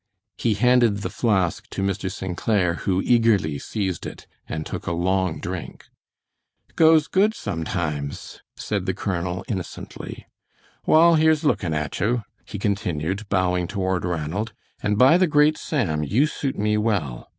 He handed the flask to Mr. St. Clair, who eagerly seized it and took a long drink. "Goes good sometimes," said the colonel, innocently. "Wall, here's lookin' at you," he continued, bowing toward Ranald; "and by the great Sam, you suit me well!